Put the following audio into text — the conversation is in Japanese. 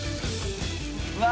うわ！